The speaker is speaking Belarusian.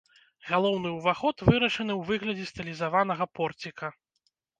Галоўны ўваход вырашаны ў выглядзе стылізаванага порціка.